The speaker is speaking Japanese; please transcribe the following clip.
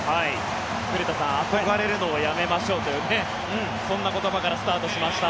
古田さん、憧れるのをやめましょうというそんな言葉からスタートしました。